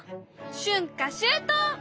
春夏秋冬。